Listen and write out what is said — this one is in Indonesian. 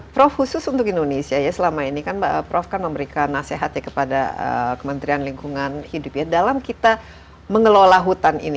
prof khusus untuk indonesia ya selama ini kan prof kan memberikan nasihat ya kepada kementerian lingkungan hidup ya dalam kita mengelola hutan ini